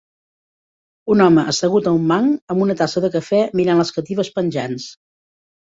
Un home assegut a un banc amb una tassa de cafè mirant les catifes penjants.